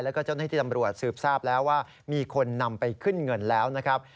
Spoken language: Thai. แล้วก็เจ้าหน้าที่ตำรวจสืบทราบแล้วว่ามีคนนำไปขึ้นเงินแล้วนะครับ